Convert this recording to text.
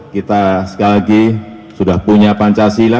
kita sekali lagi sudah punya pancasila